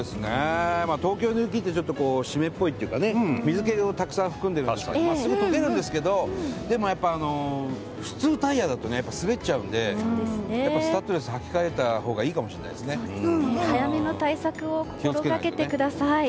東京の雪って湿っぽいというか水気をたくさん含んでいてすぐ解けるんですけどでも、普通タイヤだと滑っちゃうのでやっぱりスタッドレスにはき替えたほうが早めの対策を心掛けてください。